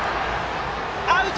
アウト！